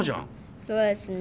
そうですね。